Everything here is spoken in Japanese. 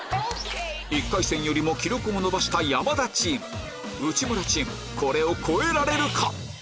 １回戦よりも記録を伸ばした山田チーム内村チームこれを超えられるか？